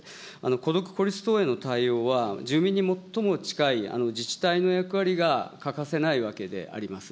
孤独・孤立等への対応は、住民に最も近い、自治体の役割が欠かせないわけであります。